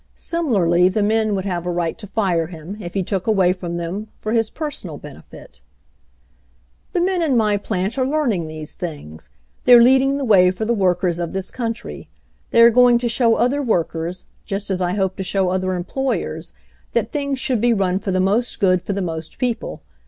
Similarly, the men would have a right to fi*£ him if he took away from them for his personal benefit "The men in my plant are learning these things. They're leading the way for the workers of this country. They are going to show other workers, just as I hope to show other employers, that things should be run for the most good for the most people.